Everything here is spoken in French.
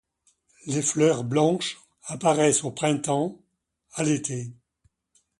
Les fleurs blanches apparaissent au printemps à l'été.